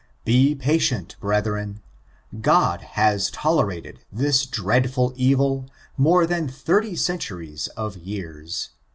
Be patient, Brethren ! God has tolerated this dreadful evil more than thirty centuries of years.